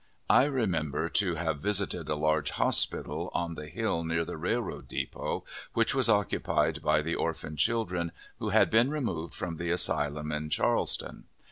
I remember to have visited a large hospital, on the hill near the railroad depot, which was occupied by the orphan children who had been removed from the asylum in Charleston.